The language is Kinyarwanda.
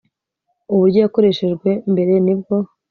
uburyo yakoreshejwe mbere nibwo